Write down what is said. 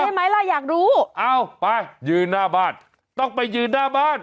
ใช่ไหมล่ะอยากรู้เอาไปยืนหน้าบ้านต้องไปยืนหน้าบ้าน